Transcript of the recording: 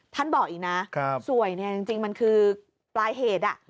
บอกอีกนะสวยเนี่ยจริงมันคือปลายเหตุ